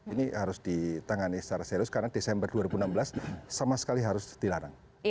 ini harus ditangani secara serius karena desember dua ribu enam belas sama sekali harus dilarang